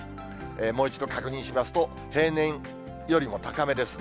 もう一度確認しますと、平年よりも高めですね。